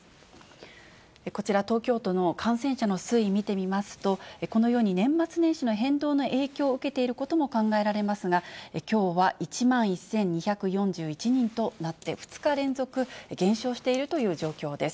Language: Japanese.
こちら、東京都の感染者の推移、見てみますと、このように、年末年始の変動を受けていることも考えられますが、きょうは１万１２４１人となって、２日連続減少しているという状況です。